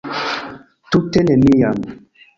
Tute neniam.